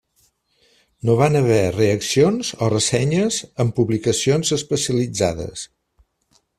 No van haver reaccions o ressenyes en publicacions especialitzades.